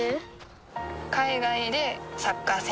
海外でサッカー選手になる